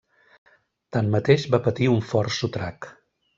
Tanmateix, va patir un fort sotrac.